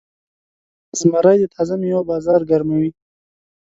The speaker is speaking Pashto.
زمری د تازه میوو بازار ګرموي.